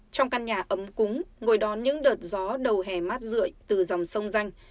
trong căn nhà ấm cúng ngồi đón những đợt gió đầu hè mát rượi từ dòng sông danh